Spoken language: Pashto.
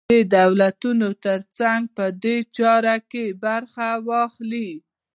د دولتونو تر څنګ په دې چاره کې برخه واخلي.